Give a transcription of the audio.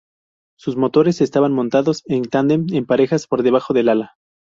Sus motores estaban montados en tándem en parejas por debajo del ala.